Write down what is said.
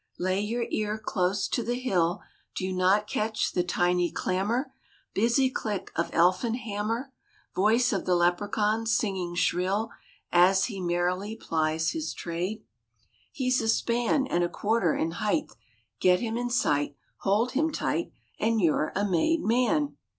*' Lay your ear close to the hill. Do you not catch the tiny clamour, Busy click of elfin hammer, Voice of the Lepracaun singing shrill As he merrily plies his trade? RAINBOW GOLD He's a span And a quarter in height. Get him in sight, hold him tight, And you're a made Man!